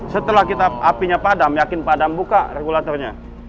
setelah kita apinya padam yakin padam buka regulatornya